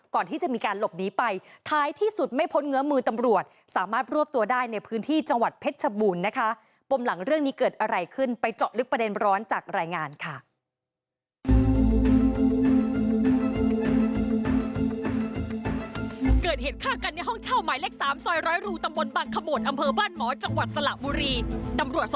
กลมหลังเรื่องนี้เกิดอะไรขึ้นไปเจาะลึกประเด็นร้อนจากรายงานค่ะ